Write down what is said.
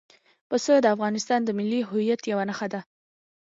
پسه د افغانستان د ملي هویت یوه نښه ده.